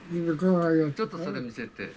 ちょっとそれ見せて。